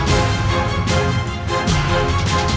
jangan lagi membuat onar di sini